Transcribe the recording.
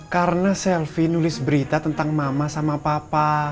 karena selvi nulis berita tentang mama sama papa